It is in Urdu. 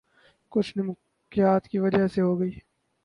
کچھ نمکیات کی وجہ سے ہوگی